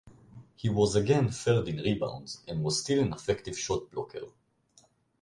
He was again third in rebounds and was still an effective shot blocker.